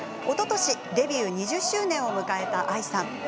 おととし、デビュー２０周年を迎えたＡＩさん。